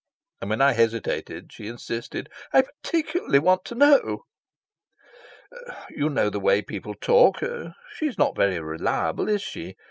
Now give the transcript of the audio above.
And when I hesitated, she insisted. "I particularly want to know." "You know the way people talk. She's not very reliable, is she?